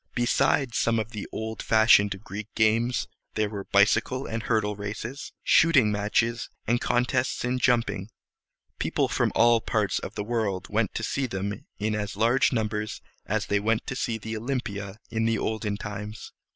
Besides some of the old fashioned Greek games, there were bicycle and hurdle races, shooting matches, and contests in jumping. People from all parts of the world went to see them in as large numbers as they went to Olympia in the olden times.